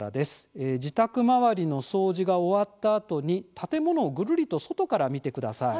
自宅周りの掃除が終わったあとに建物をぐるりと外から見てください。